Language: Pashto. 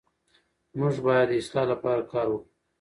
موږ باید د اصلاح لپاره کار وکړو.